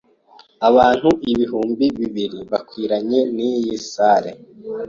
Abantu ibihumbi bibiri bakwiranye niyi salle.